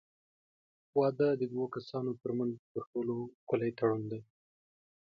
واده د دوو کسانو ترمنځ تر ټولو ښکلی تړون دی.